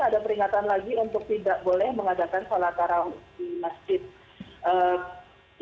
ada peringatan lagi untuk tidak boleh mengadakan sholat tarawih di masjid